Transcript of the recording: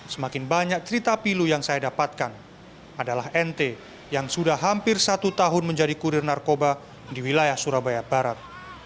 semakin banyak cerita pilu yang saya dapatkan adalah nt yang sudah hampir satu tahun menjadi kurir narkoba di wilayah surabaya barat